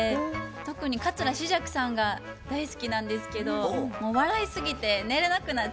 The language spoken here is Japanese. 特に桂枝雀さんが大好きなんですけどもう笑いすぎて寝れなくなっちゃって。